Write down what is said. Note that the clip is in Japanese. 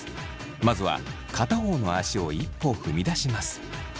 まずは片方の足を一歩踏み出します。